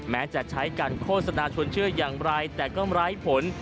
แม้จะใช้การโฆษณาชวนเชื่ออย่างไรแต่ก็ไร้ผล